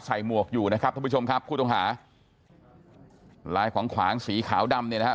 หมวกอยู่นะครับท่านผู้ชมครับผู้ต้องหาลายขวางขวางสีขาวดำเนี่ยนะฮะ